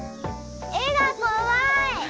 絵が怖い！